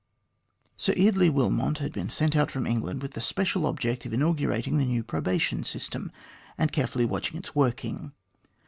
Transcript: Sir Eardley Wilmot had been sent out from England with the special object of inaugurating the new probation system, and carefully watching its working.